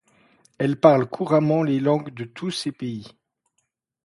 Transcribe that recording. Elle parle couramment les langues de tous ces pays.